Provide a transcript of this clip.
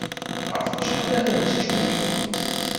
Ɣef wacḥal ara teččem kenwi?